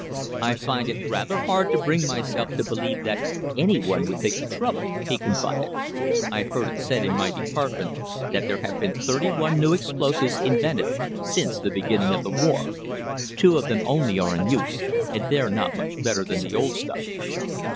"I find it rather hard to bring myself to believe that any one would take the trouble," he confided. "I have heard it said in my department that there have been thirty one new explosives invented since the beginning of the war. Two of them only are in use, and they're not much better than the old stuff."